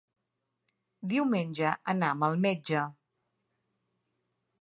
Diumenge anam al metge.